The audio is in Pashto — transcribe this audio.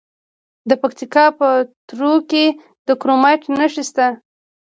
د پکتیکا په تروو کې د کرومایټ نښې شته.